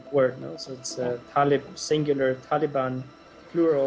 jadi taliban singular taliban plural